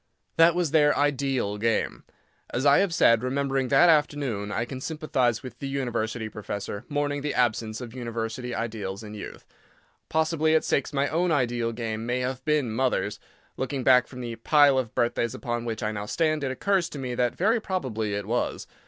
That was their "ideal" game. As I have said, remembering that afternoon, I can sympathise with the University professor mourning the absence of University ideals in youth. Possibly at six my own ideal game may have been "Mothers." Looking back from the pile of birthdays upon which I now stand, it occurs to me that very probably it was.